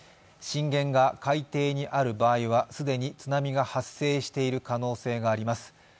震源が海底にある場合は、既に津波が発生している可能性があります。